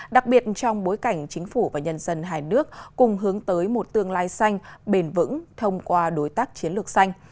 đặc biệt trong bối cảnh chính phủ và nhân dân hai nước cùng hướng tới một tương lai xanh bền vững thông qua đối tác chiến lược xanh